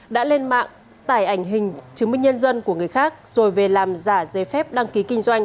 đã lên mạng tải ảnh hình chứng minh nhân dân của người khác rồi về làm giả giấy phép đăng ký kinh doanh